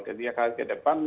ketika ke depan